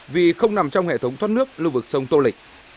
vì không nằm trong hệ thống thoát nước lưu vực sông tô lịch